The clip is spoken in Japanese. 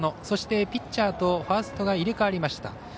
そして、ピッチャーとファーストが入れ代わりました。